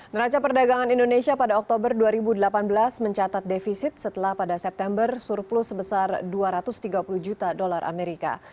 neraca perdagangan indonesia pada oktober dua ribu delapan belas mencatat defisit setelah pada september surplus sebesar dua ratus tiga puluh juta dolar amerika